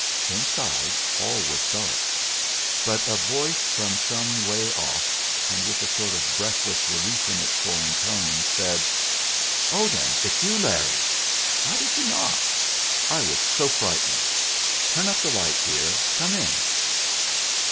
Inside all was dark, but a voice from some way off, with a sort of breathless relief in its foreign tones, said: "Oh! then it's you, Larry! Why did you knock? I was so frightened. Turn up the light, dear. Come in!"